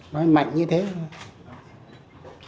nói mạnh như thế thôi